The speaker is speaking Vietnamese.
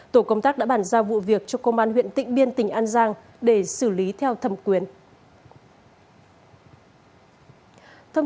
tổ công tác đã bàn giao vụ việc cho công an huyện tịnh biên tỉnh an giang để xử lý theo thẩm quyền